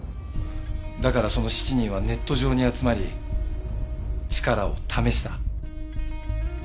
だからその７人はネット上に集まり力を試した。